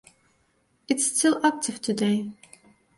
It is still active today.